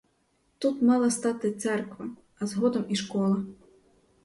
Тут мала стати церква, а згодом і школа.